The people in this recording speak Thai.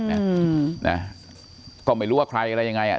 นะก็ไม่รู้ว่าใครอะไรยังไงอ่ะ